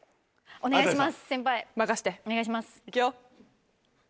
お願いします。